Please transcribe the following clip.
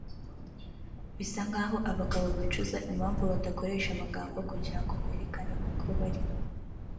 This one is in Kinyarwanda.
Bisa nkaho abagabo bicuza impamvu badakoresha amagambo kugira ngo berekane uko bari